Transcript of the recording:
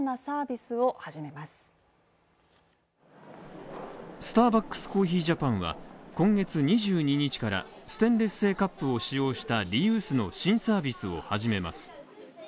スターバックスコーヒージャパンは今月２２日からステンレス製カップを使用したリユースの新サービスを始めます。